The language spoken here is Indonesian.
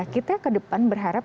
kita ke depan berharap